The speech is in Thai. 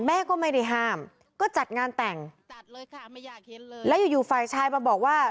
แม่ก็ไม่ได้ห้ามก็จัดงานแต่งแล้วอยู่ฝ่ายชายมาบอกว่า